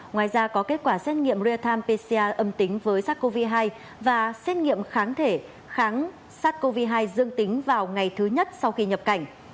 ngoài ra có kết quả xét nghiệm real time pcr âm tính với sars cov hai và xét nghiệm kháng thể kháng sars cov hai dương tính vào ngày thứ nhất sau khi nhập cảnh